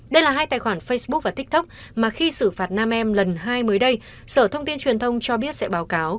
đây là hai tài khoản facebook và tiktok mà khi xử phạt nam em lần hai mới đây sở thông tin truyền thông cho biết sẽ báo cáo